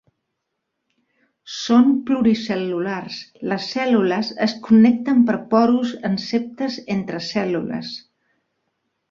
Són pluricel·lulars, les cèl·lules es connecten per porus en septes entre cèl·lules.